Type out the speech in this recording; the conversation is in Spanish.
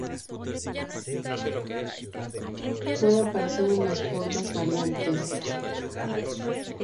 Puede aparecer en las formas variantes 网, 罒, 罓, 𦉰 y 㓁.